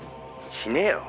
「死ねよ。